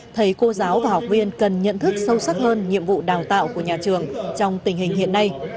thầy cô giáo và học viên cần nhận thức sâu sắc hơn nhiệm vụ đào tạo của nhà trường trong tình hình hiện nay